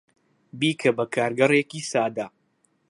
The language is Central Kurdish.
بیکە بە کارگەرێکی سادە.